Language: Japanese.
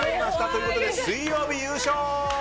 ということで水曜日、優勝！